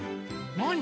なに？